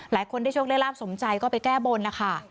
หลายคนได้โชคได้ลาบสมใจก็ไปแก้บนนะคะ